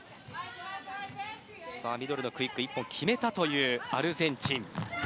ミドルのクイック１本決めたアルゼンチン。